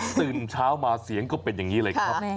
ตื่นเช้ามาเสียงก็เป็นอย่างนี้เลยครับ